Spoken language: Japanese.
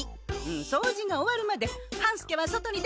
掃除が終わるまで半助は外に出てて。